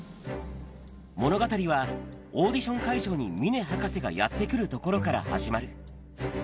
物語はオーディション会場に峰博士がやって来るところから始まる。